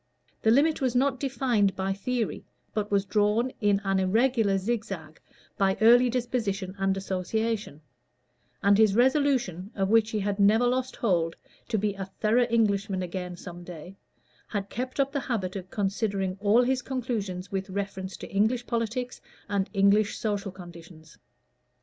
The limit was not defined by theory, but was drawn in an irregular zigzag by early disposition and association; and his resolution, of which he had never lost hold, to be a thorough Englishman again some day, had kept up the habit of considering all his conclusions with reference to English politics and English social conditions.